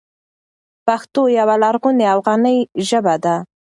پښتو یوه لرغونې او غني ژبه ده.